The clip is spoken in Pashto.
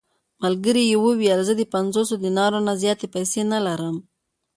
ملګري یې وویل: زه د پنځوسو دینارو نه زیاتې پېسې نه لرم.